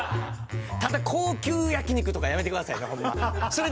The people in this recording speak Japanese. ただ高級焼肉とかやめてくださいねホンマ。